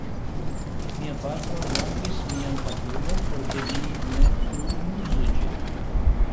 Mia patro rompis mian tabulon por ke mi ne plu uzu ĝin.